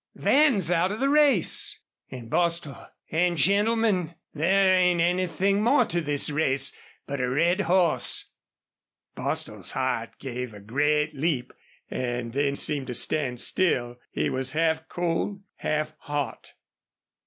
Van's out of the race! ... An', Bostil an', gentlemen, there ain't anythin' more to this race but a red hoss!" Bostil's heart gave a great leap and then seemed to stand still. He was half cold, half hot.